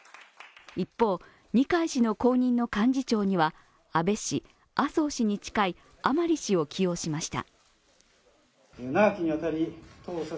一方、二階氏の後任の幹事長には安倍氏・麻生氏に近い甘利氏を起用しました。